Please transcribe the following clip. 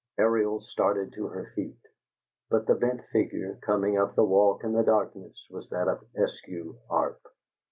Ariel started to her feet, but the bent figure, coming up the walk in the darkness, was that of Eskew Arp.